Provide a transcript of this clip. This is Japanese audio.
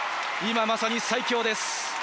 今まさに最強です。